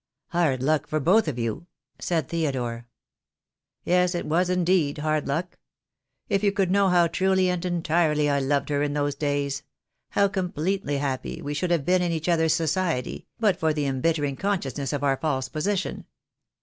"Hard luck for both of you," said Theodore. "Yes, it was indeed hard luck. If you could know how truly and entirely I loved her in those days — how completely happy we should have been in each other's society, but for the embittering consciousness of our false position.